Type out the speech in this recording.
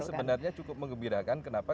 sebenarnya cukup mengembirakan kenapa